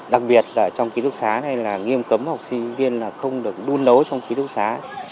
đặc biệt trong ký túc xá này là nghiêm cấm học sinh viên là không được đun nấu trong ký túc xá